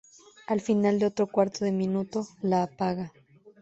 Al final de otro cuarto de minuto, la apaga.